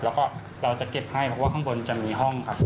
แล้วก็เราจะเก็บให้เพราะว่าข้างบนจะมีห้องครับ